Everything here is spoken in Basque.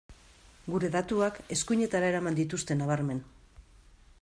Gure datuak eskuinetara eraman dituzte nabarmen.